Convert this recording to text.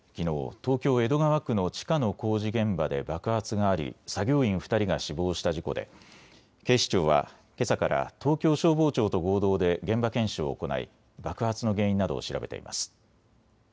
東京江戸川区の地下の工事現場で爆発があり作業員２人が死亡した事故で警視庁はけさから東京消防庁と合同で現場検証を行い爆発の原因などを調べています。